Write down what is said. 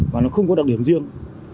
và nó không có đặc điểm riêng